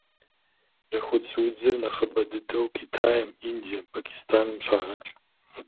Бжьэхуц удзыр нэхъыбэ дыдэу Китайм, Индием, Пакистаным щагъэкӏ.